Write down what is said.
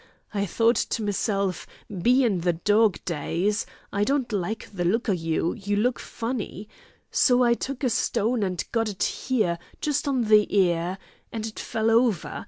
I thought to meself, bein' the dog days—I don't like the look o' you, you look funny! So I took a stone, an' got it here, just on the ear; an' it fell over.